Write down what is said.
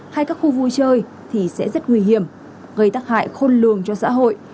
hay các khu vui chơi thì sẽ rất nguy hiểm gây tắc hại khôn lường cho xã hội